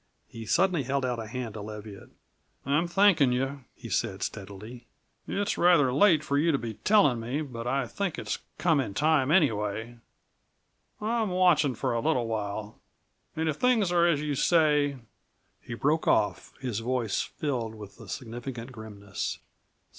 He suddenly held out a hand to Leviatt. "I'm thanking you," he said steadily. "It's rather late for you to be telling me, but I think it's come in time anyway. I'm watching him for a little while, and if things are as you say " He broke off, his voice filled with a significant grimness.